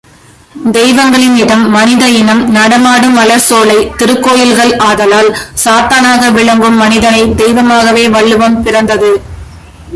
தெய்வங்களின் இடம் மனித இனம் நடமாடும் மலர்ச்சோலை திருக்கோயில்கள் ஆதலால், சாத்தானாக விளங்கும் மனிதனைத் தெய்வமாக்கவே வள்ளுவம் பிறந்தது.